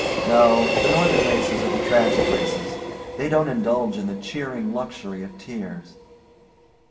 "No, the Northern races are the tragic races they don't indulge in the cheering luxury of tears."